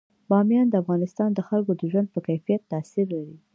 بامیان د افغانستان د خلکو د ژوند په کیفیت تاثیر لري.